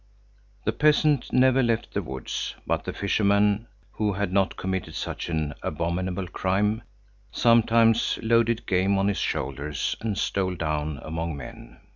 The peasant never left the woods, but the fisherman, who had not committed such an abominable crime, sometimes loaded game on his shoulders and stole down among men.